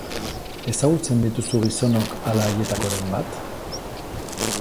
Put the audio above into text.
Ezagutzen dituzu gizonok, ala haietakoren bat?